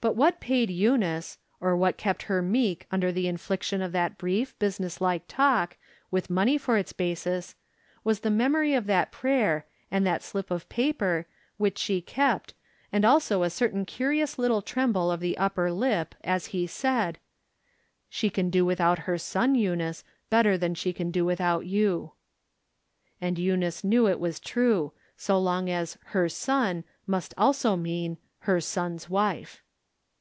t paid Eunice, or what kept her meek under the infliction of that brief, business like talk, with money for its basis, was the memory of that prayer, and that slip of paper, which she kept, and also a certain curious little tremble of the upper lip, as he said : From Different Standpoints. 203 " She can do without her son, Eunice, better than she can do without you." And Eunice knew it was true, so long as " her son " must also mean " her son's wife."